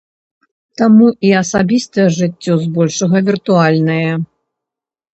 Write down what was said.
Таму і асабістае жыццё, збольшага, віртуальнае.